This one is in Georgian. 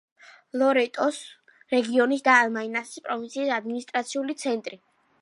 ლორეტოს რეგიონის და მაინასის პროვინციის ადმინისტრაციული ცენტრი.